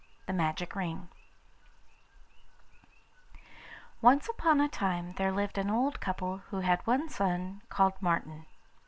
THE MAGIC RING Once upon a time there lived an old couple who had one son called Martin.